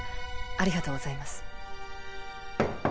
ありがとうございます。